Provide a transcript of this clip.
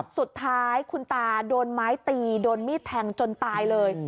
สุดท้ายคุณตาโดนไม้ตีโดนมีดแทงจนตายเลย